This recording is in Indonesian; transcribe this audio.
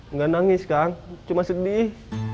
nggak nangis kang cuma sedih